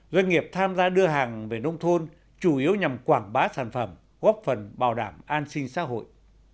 doanh nghiệp tham gia đưa hàng về nông thôn chủ yếu nhằm quảng bá sản phẩm góp phần bảo đảm an sinh xã hội